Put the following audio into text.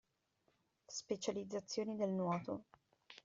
Specializzazioni del nuoto.